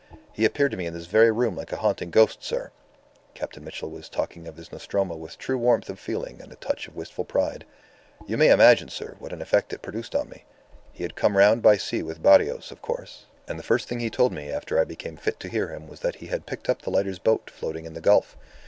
"He appeared to me in this very room like a haunting ghost, sir" Captain Mitchell was talking of his Nostromo with true warmth of feeling and a touch of wistful pride. "You may imagine, sir, what an effect it produced on me. He had come round by sea with Barrios, of course. And the first thing he told me after I became fit to hear him was that he had picked up the lighter's boat floating in the gulf!